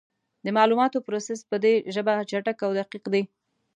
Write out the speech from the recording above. د معلوماتو پروسس په دې ژبه چټک او دقیق دی.